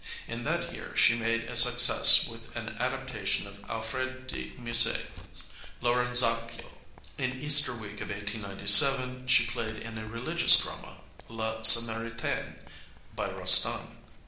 In that year she made a success with an adaptation of Alfred de Musset's Lorenzaccio. In Easter week of 1897 she played in a religious drama, La Samaritaine, by Rostand.